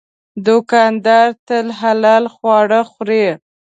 دوکاندار تل حلال خواړه خوري.